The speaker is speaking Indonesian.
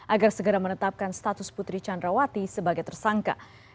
agar segera menetapkan status putri candrawati sebagai tersangka